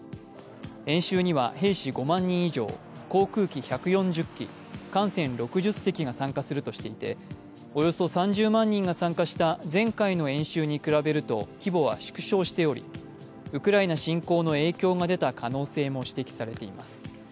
演習には兵士５万人以上、航空機１４０機、艦船６０隻が参加するとしていておよそ３０万人が参加した前回の演習に比べると規模は縮小しておりウクライナ侵攻の影響が出た可能性も指摘されています。